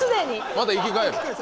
また生き返る。